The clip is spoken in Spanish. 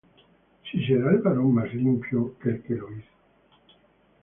¿Si será el varón más limpio que el que lo hizo?